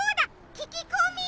ききこみ！